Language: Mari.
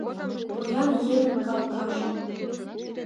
Поян еҥын капкаже.